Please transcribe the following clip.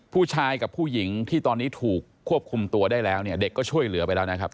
ผู้ชายกับผู้หญิงที่ตอนนี้ถูกควบคุมตัวได้แล้วเนี่ยเด็กก็ช่วยเหลือไปแล้วนะครับ